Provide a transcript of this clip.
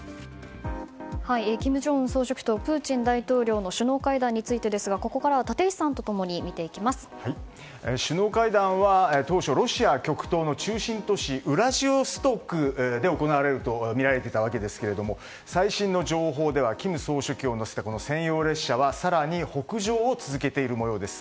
金正恩総書記とプーチン大統領の首脳会談についてですがここからは立石さんと共に首脳会談は当初、ロシア極東の中心都市ウラジオストクで行われるとみられていたわけですが最新の情報では、金総書記を乗せたとみられる専用列車は更に、北上を続けているもようです。